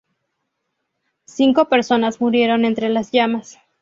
Cinco personas murieron entre las llamas.